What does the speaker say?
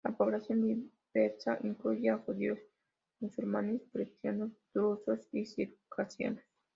La población diversa incluye a: judíos, musulmanes, cristianos, drusos y circasianos.